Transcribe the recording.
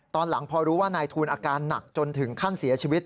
ตอนหลังพอรู้ว่านายทูลอาการหนักจนถึงขั้นเสียชีวิต